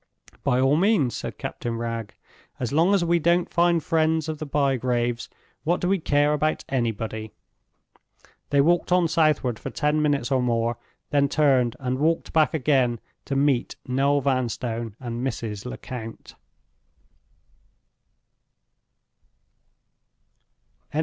"By all means," said Captain Wragge. "As long as we don't find friends of the Bygraves, what do we care about anybody?" They walked on southward for ten minutes or more, then turned and walked back again to meet Noel Vanstone and Mrs. Lecount.